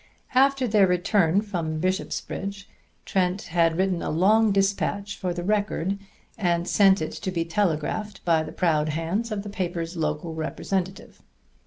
After their return from Bishopsbridge, Trent had written a long dispatch for the Record, and sent it to be telegraphed by the proud hands of the paper's local representative.